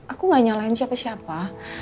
aku gak nyalahin siapa siapa